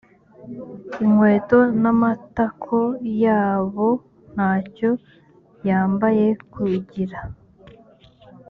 inkweto n amatako yabo nta cyo yambaye kugira